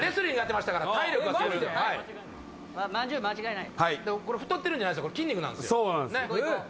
まんじゅう間違いない。